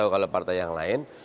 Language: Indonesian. kata yang lain